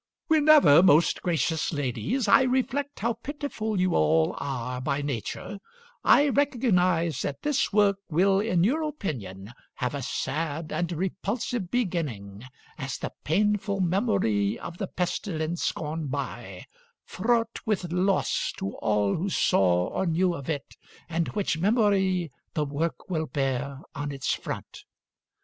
"Whenever, most gracious ladies, I reflect how pitiful you all are by nature, I recognize that this work will in your opinion have a sad and repulsive beginning, as the painful memory of the pestilence gone by, fraught with loss to all who saw or knew of it, and which memory the work will bear on its front.